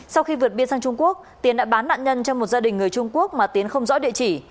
sau khi vượt biên sang trung quốc tiến đã bán nạn nhân cho một gia đình người trung quốc mà tiến không rõ địa chỉ